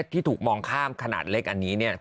ที่ถูกมองข้ามขนาดเล็กอันนี้